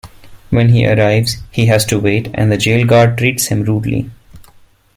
When he arrives, he has to wait and the jail guard treats him rudely.